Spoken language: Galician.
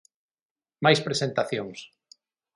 Máis presentacións.